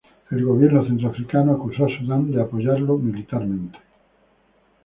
El Gobierno Centroafricano acusó a Sudán de apoyarlo militarmente.